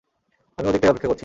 আমি ওদিকটায় অপেক্ষা করছি।